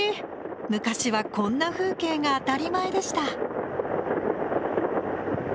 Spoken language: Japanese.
昔はこんな風景が当たり前でした。